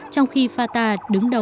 trong khi fatah